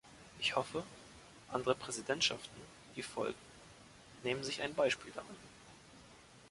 Ich hoffe, andere Präsidentschaften, die folgen, nehmen sich ein Beispiel daran!